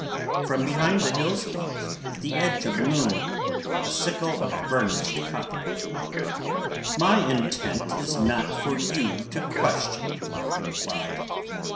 From behind the hills peeped the edge of the moon—a sickle of burnished copper. "My intent is not for you to question," he replied.